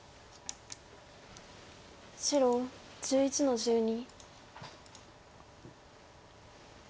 白１１の十二。